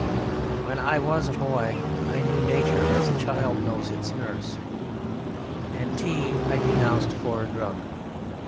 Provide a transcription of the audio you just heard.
When I was a boy I knew Nature as a child knows its nurse, and Tea I denounced for a drug.